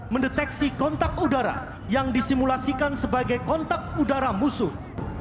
mendeteksi kontak udara yang disimulasikan sebagai kontak udara musuh